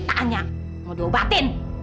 tanya mau diobatin